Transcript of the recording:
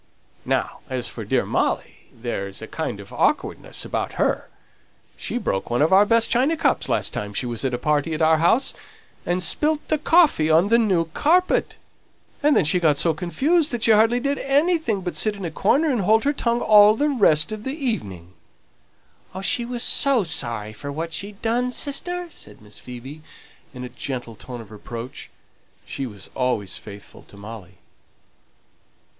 Now as for dear Molly, there's a kind of awkwardness about her she broke one of our best china cups last time she was at a party at our house, and spilt the coffee on the new carpet; and then she got so confused that she hardly did anything but sit in a corner and hold her tongue all the rest of the evening." "She was so sorry for what she'd done, sister," said Miss Phoebe, in a gentle tone of reproach; she was always faithful to Molly.